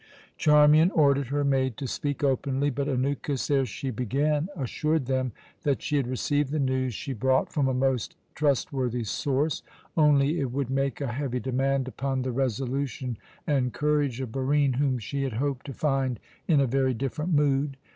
Charmian ordered her maid to speak openly; but Anukis, ere she began, assured them that she had received the news she brought from a most trustworthy source only it would make a heavy demand upon the resolution and courage of Barine, whom she had hoped to find in a very different mood.